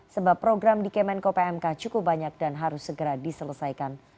sebab program di kemenko pmk cukup banyak dan harus segera diselesaikan